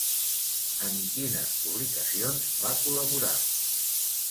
En quines publicacions va col·laborar?